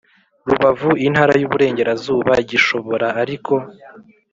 Rubavu intara y iburengerazuba gishobora ariko